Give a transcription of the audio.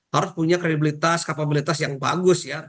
harus punya kredibilitas kapabilitas yang bagus ya